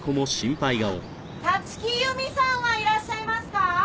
立木由美さんはいらっしゃいますか？